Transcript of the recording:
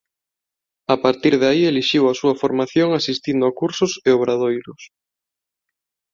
A partir de aí elixiu a súa formación asistindo a cursos e obradoiros.